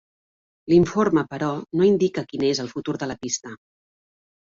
L'informe, però, no indica quin és el futur de la pista.